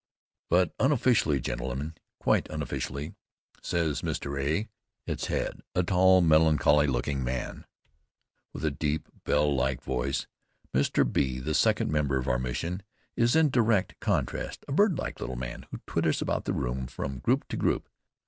"But unofficially, gentlemen, quite unofficially," says Mr. A., its head, a tall, melancholy looking man, with a deep, bell like voice. Mr. B., the second member of the mission, is in direct contrast, a birdlike little man, who twitters about the room, from group to group.